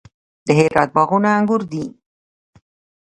د هرات باغونه انګور دي